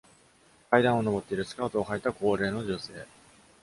階段を上っているスカートをはいた高齢の女性